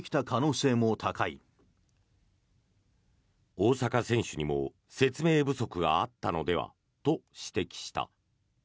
大坂選手にも説明不足があったのではと指摘した。